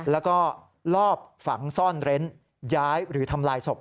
แล้วก็ลอบฝังซ่อนเร้นย้ายหรือทำลายศพ